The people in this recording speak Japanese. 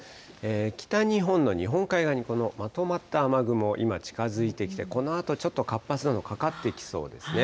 北日本の日本海側にこのまとまった雨雲、今、近づいてきて、このあとちょっと活発なのかかってきそうですね。